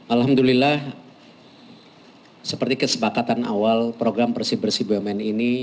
alhamdulillah seperti kesepakatan awal program bersih bersih bumn ini